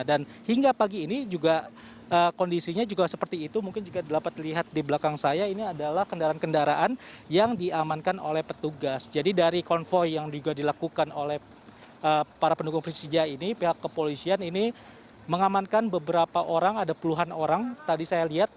dan hingga pagi ini juga kondisinya juga seperti itu mungkin juga dapat dilihat di belakang saya ini adalah kendaraan kendaraan yang diamankan oleh petugas